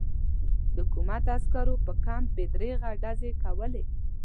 د حکومت عسکرو پر کمپ بې دریغه ډزې کولې.